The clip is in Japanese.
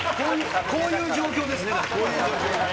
こういう状況ですね。